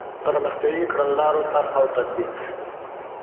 پرمختیایي کړنلارو طرح او تطبیق.